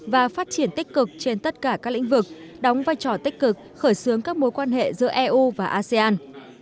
và phát triển tích cực trên tất cả các lĩnh vực đóng vai trò tích cực khởi xướng các mối quan hệ giữa eu và asean